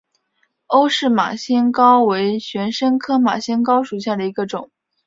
欧氏马先蒿为玄参科马先蒿属下的一个种。